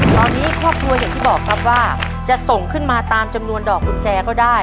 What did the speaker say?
ตอนนี้ครอบครัวอย่างที่บอกครับว่าจะส่งขึ้นมาตามจำนวนดอกกุญแจก็ได้